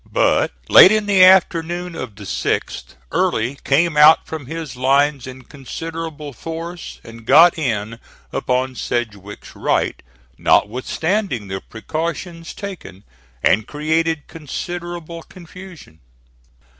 But late in the afternoon of the 6th Early came out from his lines in considerable force and got in upon Sedgwick's right, notwithstanding the precautions taken, and created considerable confusion.